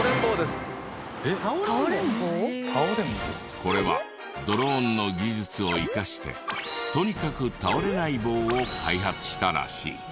これはドローンの技術を生かしてとにかく倒れない棒を開発したらしい。